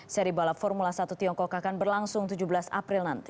seri balap formula satu tiongkok akan berlangsung tujuh belas april nanti